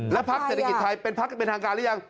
แล้วพักเศรษฐกิจไทยเป็นพักกันเป็นทางการหรือยัง